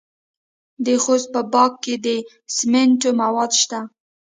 د خوست په باک کې د سمنټو مواد شته.